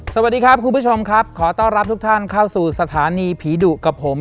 สวัสดีครับคุณผู้ชมครับขอต้อนรับทุกท่านเข้าสู่สถานีผีดุกับผม